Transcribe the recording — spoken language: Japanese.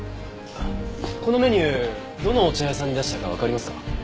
このメニューどのお茶屋さんに出したかわかりますか？